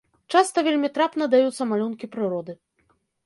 Часта вельмі трапна даюцца малюнкі прыроды.